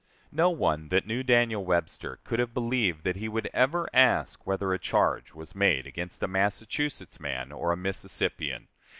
No one that knew Daniel Webster could have believed that he would ever ask whether a charge was made against a Massachusetts man or a Mississippian.